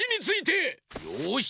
よし。